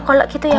kolak gitu ya bu